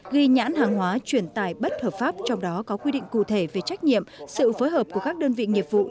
ghi nhãn hàng hóa chuyển tài bất hợp pháp trong đó có quy định cụ thể về trách nhiệm sự phối hợp của các đơn vị nghiệp vụ